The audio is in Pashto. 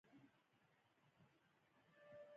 ګټه نه لري.